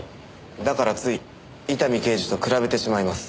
だからつい伊丹刑事と比べてしまいます。